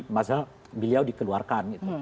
masa beliau dikeluarkan